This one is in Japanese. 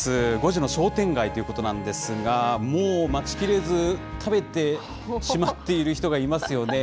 ５時の商店街ということなんですが、もう待ちきれず食べてしまっている人がいますよね。